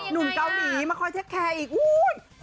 หนุ่มเกาหลีมาคอยเช็คแคร์อีกนู้น